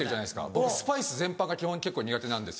僕スパイス全般が基本結構苦手なんです。